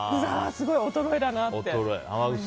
すごい衰えだなって。